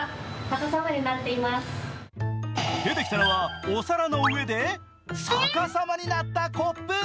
出てきたのは、お皿の上で逆さまになったコップ。